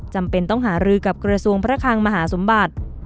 จำเป็นต้องหารือกับกระทรวงพระคังมหาสมบัติ